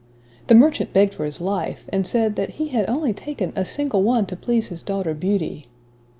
The merchant begged for his life, and said, that he had only taken "a single one to please his daughter Beauty."